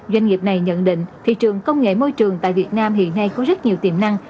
doanh nghiệp này nhận định thị trường công nghệ môi trường tại việt nam hiện nay có rất nhiều tiềm năng